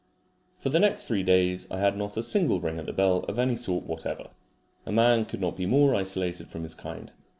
For the next three days I had not a single ring at the bell of any sort whatever. A man could not be more isolated from his kind.